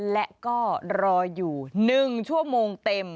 และก็รออยู่๑ชั่วโมงเต็ม